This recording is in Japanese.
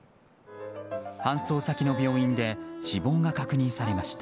搬送先の病院で死亡が確認されました。